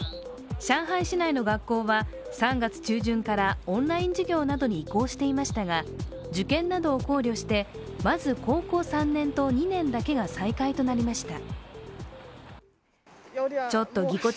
上海市内の学校は３月中旬からオンライン授業などに移行していましたが、受験などを考慮してまず高校３年と２年だけが再開となりました。